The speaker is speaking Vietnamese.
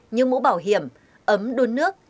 như mũ bảo hiểm ấm đun nước